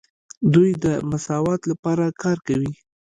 دوی د مساوات لپاره کار کوي.